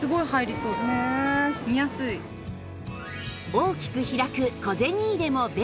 大きく開く小銭入れも便利